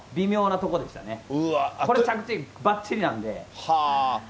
これ、着地ばっちりなんで。